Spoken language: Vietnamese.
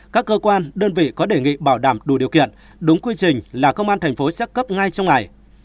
các cơ quan đơn vị có đề nghị bảo đảm đủ điều kiện đúng quy trình là công an thành phố xác cấp ngay trong ngày